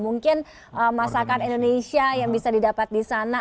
mungkin masakan indonesia yang bisa didapat di sana